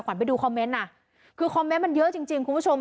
ไปดูคอมเมนต์น่ะคือคอมเมนต์มันเยอะจริงจริงคุณผู้ชม